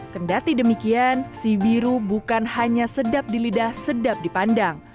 kendati demikian si biru bukan hanya sedap di lidah sedap dipandang